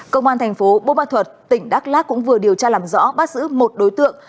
công an thành phố bô ma thuật tỉnh đắk lắc cũng vừa điều tra làm rõ bắt giữ một đối tượng